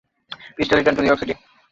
Crystal returned to New York City.